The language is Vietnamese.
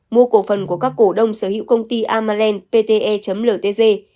mua cổ phần của các cổ đông sở hữu công ty amalland pte ltg